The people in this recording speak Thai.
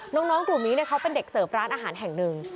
น้องกลุ่มนี้เขาเป็นเด็กเสิร์ฟร้านอาหารแห่งหนึ่ง